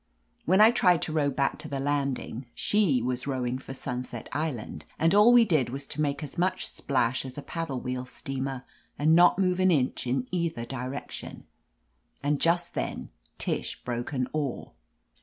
When I tried to row back to the landing, she was rowing for Sunset Island, and all we did was to make as much splash as a paddle wheel steamer, and not move an inch in either direction. And just then Tish broke an oar.